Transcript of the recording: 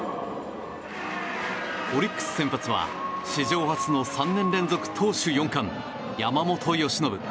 オリックス先発は史上初の３年連続投手４冠山本由伸。